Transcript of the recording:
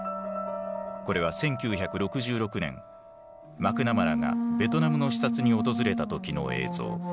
これは１９６６年マクナマラがベトナムの視察に訪れた時の映像。